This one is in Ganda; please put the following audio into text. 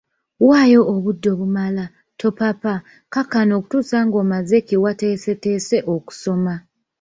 Waayo obudde obumala, topapa, kkakkana okutuusa ng'omazeeko kye wateesetese okusoma.